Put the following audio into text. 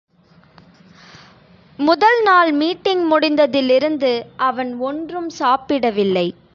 முதல் நாள் மீட்டிங் முடிந்ததிலிருந்து அவன் ஒன்றும் சாப்பிடவில்லை.